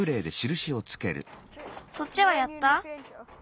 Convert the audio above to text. そっちはやった？